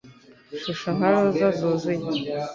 shusho nka roza zuzuye